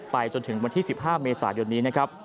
จนถึงวันที่๑๕เมษายนนี้นะครับ